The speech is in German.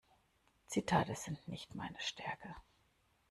Zitate sind nicht meine Stärke.